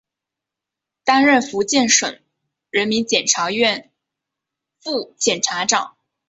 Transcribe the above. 担任福建省人民检察院副检察长。